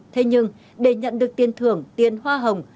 thế nhưng để nhận được tiền thưởng tiền hoa hồng